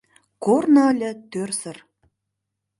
Корно ыле тӧрсыр.